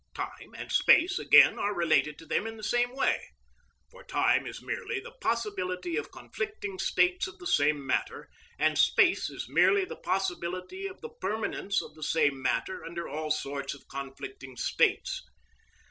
Time and space, again, are related to them in the same way. For time is merely the possibility of conflicting states of the same matter, and space is merely the possibility of the permanence of the same matter under all sorts of conflicting states.